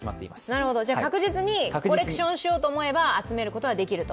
なので、確実にコレクションしようと思えば、集めることはできると。